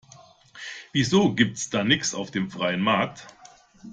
Wieso gibt's da nix auf dem freien Markt?